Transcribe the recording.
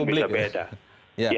menurut salah satu publik ya